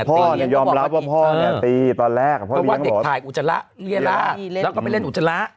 พ่อยอมรับว่าพ่อเนี่ยตีตอนแรกเพราะว่าเด็กทายอุจจาระเรียนแล้วแล้วก็ไปเรียนอุจจาระ